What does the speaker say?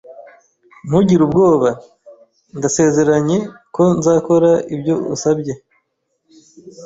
Ntugire ubwoba. Ndasezeranye ko nzakora ibyo usabye.